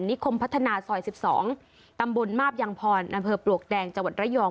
นิคมพัฒนาสอยสิบสองตำบุญมาบยังพรนับเผลอปลวกแดงจังหวัดระยอง